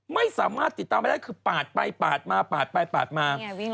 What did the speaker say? ไม่สามารถติดตามไม่ได้คือปาดไปปาดมาปาดไปปาดมา